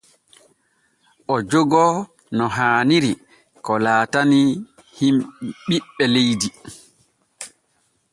O jogoo no haaniri ko laatanii ɓiɓɓe leydi.